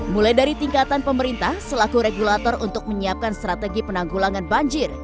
mulai dari tingkatan pemerintah selaku regulator untuk menyiapkan strategi penanggulangan banjir